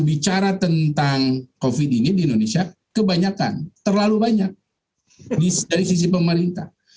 bicara tentang covid ini di indonesia kebanyakan terlalu banyak dari sisi pemerintah